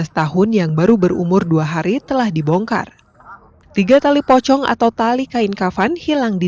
tahun yang baru berumur dua hari telah dibongkar tiga tali pocong atau tali kain kafan hilang di